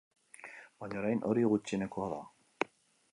Baina orain hori gutxienekoa da.